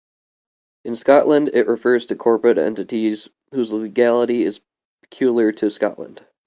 In Scotland it refers to corporate entities whose legality is peculiar to Scotland.